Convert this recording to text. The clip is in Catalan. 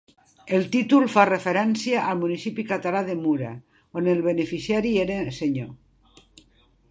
El títol fa referència al municipi català de Mura, on el beneficiari era senyor.